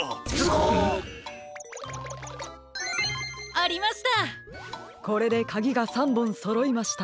ありました！